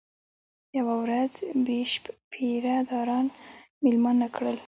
یوه ورځ بیشپ پیره داران مېلمانه کړل.